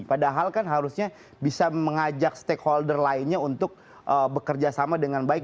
padahal kan harusnya bisa mengajak stakeholder lainnya untuk bekerja sama dengan baik